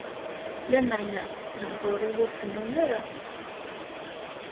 Lameɛna lehduṛ-iw ur fennun ara.